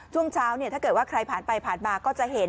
ช่วงเช้าถ้าเกิดว่าใครผ่านไปผ่านมาก็จะเห็น